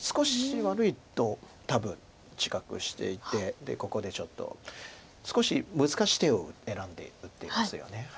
少し悪いと多分自覚していてここでちょっと少し難しい手を選んで打っていますよね。